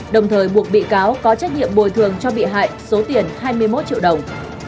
đồng thời buộc bị cáo có trách nhiệm bồi thường cho bị hại số tiền hai mươi một triệu đồng